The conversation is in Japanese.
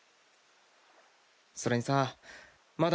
それにさまだ